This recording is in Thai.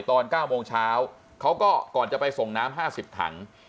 ตอนเก้าโมงเช้าเขาก็ก่อนจะไปส่งน้ำห้าสิบถัง